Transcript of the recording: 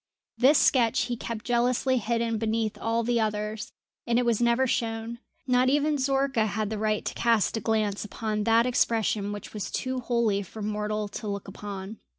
This sketch he kept jealously hidden beneath all the others, and it was never shown not even Zorka had the right to cast a glance upon that expression which was too holy for mortal to look upon.